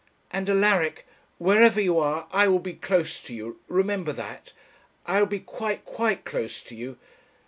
And, Alaric, wherever you are I will be close to you, remember that. I will be quite, quite close to you.